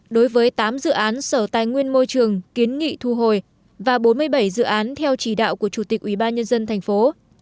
đối với tám dự án sở tài nguyên môi trường kiến nghị thu hồi và bốn mươi bảy dự án theo chỉ đạo của chủ tịch ủy ban nhân dân thành phố